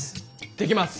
できます！